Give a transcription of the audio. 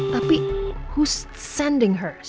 tapi siapa yang mengirimnya